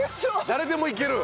誰でもいける？